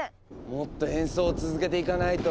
もっと演奏を続けていかないと。